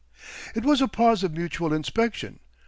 It was a pause of mutual inspection.